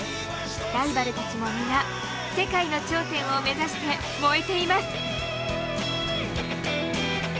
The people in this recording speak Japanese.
ライバルたちも皆世界の頂点を目指して燃えています。